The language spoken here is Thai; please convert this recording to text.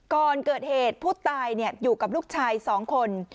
ก่อนเกิดเหตุผู้ตายอยู่กับลูกชาย๒คน